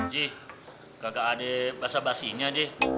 ji kagak ada basah basihnya ji